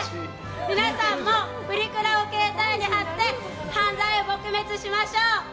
皆さんもプリクラを携帯に貼って犯罪を撲滅しましょう。